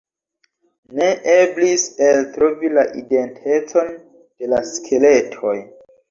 Ne eblis eltrovi la identecon de la skeletoj.